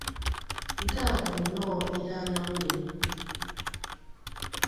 Nke a bụ nnọọ ihe anya mmiri